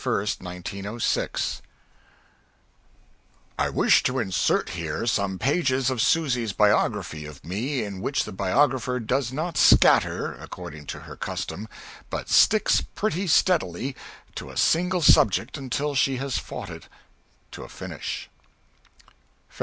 _] I wish to insert here some pages of Susy's Biography of me in which the biographer does not scatter, according to her custom, but sticks pretty steadily to a single subject until she has fought it to a finish: _Feb.